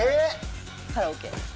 カラオケに。